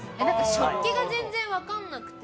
食器が全然分かんなくて。